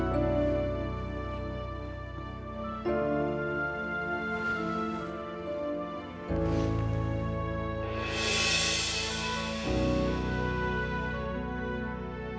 saya ingin tahu